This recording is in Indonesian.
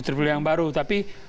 terpilih yang baru tapi